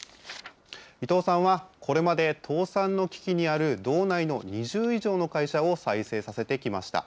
伊藤さんは、これまで倒産の危機にある道内の２０以上の会社を再生させてきました。